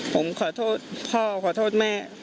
ผมขอโทษพ่อขอโทษแม่